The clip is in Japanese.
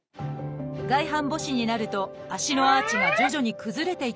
外反母趾になると足のアーチが徐々に崩れていきます。